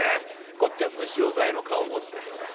こっちは虫押さえの顔を持ってんだから。